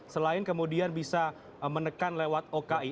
selain kemudian bisa menekan lewat oki